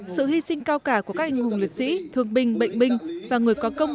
sự hy sinh cao cả của các anh hùng liệt sĩ thương binh bệnh binh và người có công